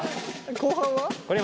後半は？